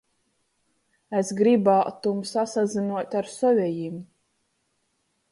Es grybātum sasazynuot ar sovejim.